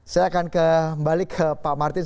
saya akan kembali ke pak martin